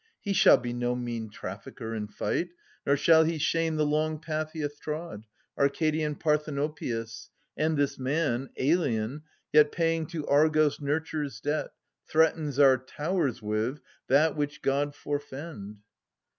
He shall be no mean trafficker in fight. Nor shall he shame the long path he hath trod, Arcadian Parthenopaeus : and this man, Alien, yet paying to Argos nurture's debt, Threatens our towers with — that which God forefend